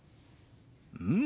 うん！